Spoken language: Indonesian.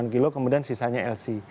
tiga puluh delapan kg kemudian sisanya lc